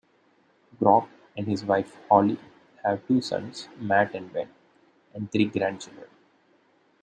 Grobe and his wife Holly have two sons, Matt and Ben, and three grandchildren.